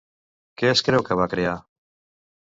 Què es creu que va crear?